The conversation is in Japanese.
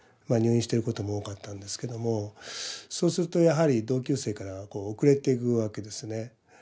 入院してる事も多かったんですけどもそうするとやはり同級生からはこう後れていくわけですね。